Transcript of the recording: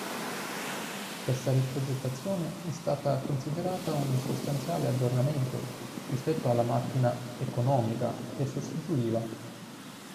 Questa riprogettazione è stata considerata un sostanziale aggiornamento, rispetto alla macchina "economica" che sostituiva.